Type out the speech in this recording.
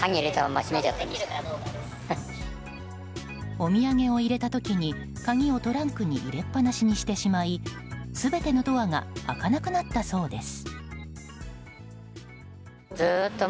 お土産を入れた時に鍵をトランクに入れっぱなしにしてしまい全てのドアが開かなくなったそうです。